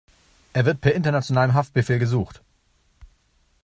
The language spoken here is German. Er wird per internationalem Haftbefehl gesucht.